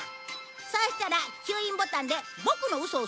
そうしたら吸引ボタンでボクのウソを吸い取ってみて。